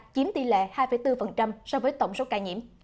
chiếm tỷ lệ hai bốn so với tổng số ca nhiễm